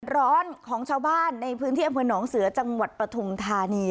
ร้อนของชาวบ้านในพื้นที่อำเภอหนองเสือจังหวัดปฐุมธานี